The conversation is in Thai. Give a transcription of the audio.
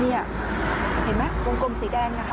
นี่เห็นมั้ยวงกลมสีแดงนะค่ะ